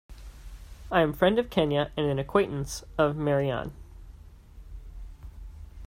I am friend of Kenya and an acquaintance of Marianne.